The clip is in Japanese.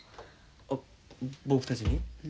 あ僕たちに？